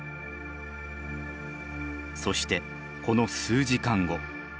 そしてこの数時間後。